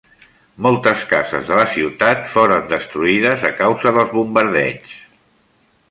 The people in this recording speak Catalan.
Moltes cases de la ciutat foren destruïdes a causa dels bombardeigs.